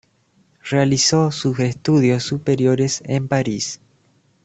Realizó sus estudios superiores en París.